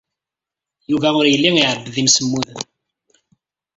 Yuba ur yelli iɛebbed imsemmuden.